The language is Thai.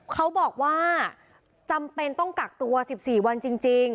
เขาบอกว่าจำเป็นต้องกักตัว๑๔วันจริง